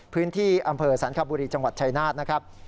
พื้นที่อำเภอสรรคบุรีจังหวัดชายนาฏนะครับ